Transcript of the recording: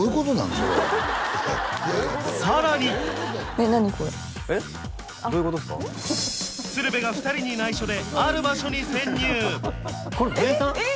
それはさらに鶴瓶が２人にないしょである場所に潜入えっ？